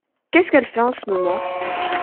Qu’est-ce qu’elle fait en ce moment ?